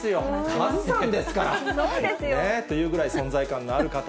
カズさんですから。というぐらい、存在感のある方。